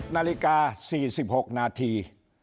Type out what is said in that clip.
นาฬิกา๔๖นาที